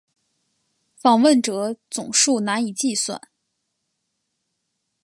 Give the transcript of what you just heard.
访问者总数难以计算。